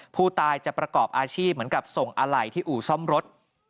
ผู้ตายจะประกอบอาชีพเหมือนกับส่งอะไหล่ที่อู่ซ่อมรถ